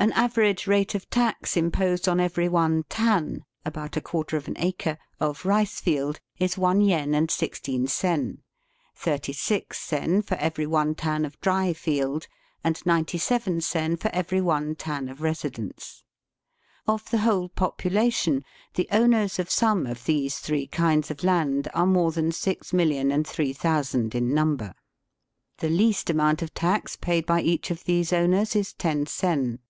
An average rate of tax imposed on every one tan (about a quarter of an acre) of rice field is one yen and sixteen sen ; thirty six sen for every one tan of dry field; Digitized by VjOOQIC THE NEW EMPIRE IN THE WEST. 97 and ninety seven sen for every one tan of residence. Of the whole population, the owners of some of these three kinds of land are more than 6,003,000 in number. The least amount of tax paid by each of these owners is ten sen.